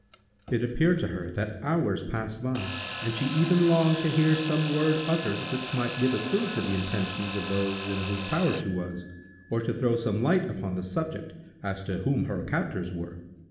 It appeared to her that hours passed by, and she even longed to hear some word uttered which might give a clue to the intentions of those in whose power she was, or to throw some light upon the subject, as to whom her captors were.